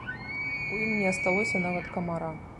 У ім не асталося нават камара.